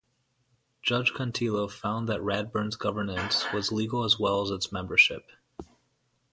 Judge Contillo found that Radburn's governance was legal as well as its membership.